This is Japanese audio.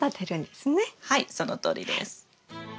はいそのとおりです。